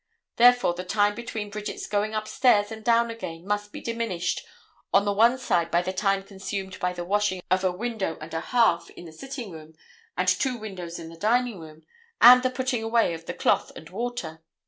Therefore the time between Bridget's going upstairs and down again must be diminished on the one side by the time consumed by the washing of a window and a half in the sitting room and two windows in the dining room and the putting away of the cloth and water.